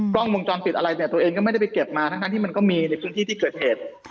กล้องวงจรปิดอะไรเนี่ยตัวเองก็ไม่ได้ไปเก็บมาทั้งที่มันก็มีในพื้นที่ที่เกิดเหตุ